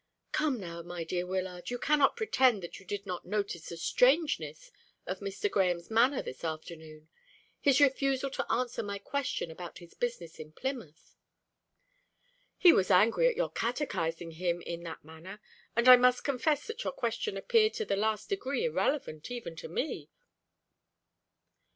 "Come now, my dear Wyllard, you cannot pretend that you did not notice the strangeness of Mr. Grahame's manner this afternoon: his refusal to answer my question about his business in Plymouth." "He was angry at your catechising him in that manner; and I must confess that your question appeared to the last degree irrelevant, even to me."